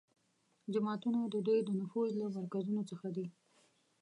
جوماتونه د دوی د نفوذ له مرکزونو څخه دي